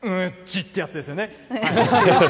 ちってやつですよね。